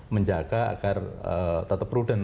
menjaga agar tetap prudent